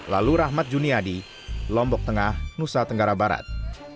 lalu rahmat juniadi lombok tengah nusa tenggara barat